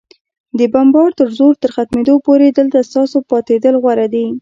د بمبار د زور تر ختمېدو پورې، دلته ستاسو پاتېدل غوره دي.